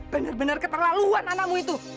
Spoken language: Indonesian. bener bener keterlaluan anakmu itu